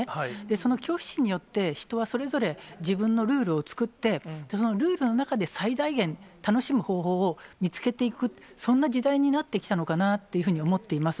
その恐怖心によって、人はそれぞれ自分のルールを作って、そのルールの中で最大限、楽しむ方法を見つけていく、そんな時代になってきたのかなっていうふうに思っています。